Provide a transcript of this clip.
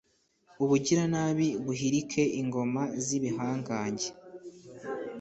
ubugiranabi buhirike ingoma z’ibihangange.